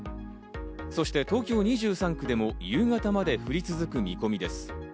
そして東京２３区でも、夕方まで降り続く見込みです。